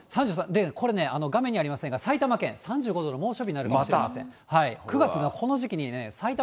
で、これね、画面にはありませんが、埼玉県、３５度の猛暑日になるかもしれません。